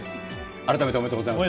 改めておめでとうございます。